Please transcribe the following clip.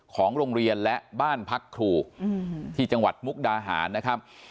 ของโรงเรียนและบ้านพักครูที่จังหวัดมุกดาหารนะครับ